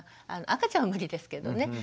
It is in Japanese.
赤ちゃんは無理ですけどね。